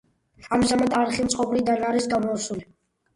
ამჟამად არხი მწყობრიდან არის გამოსული.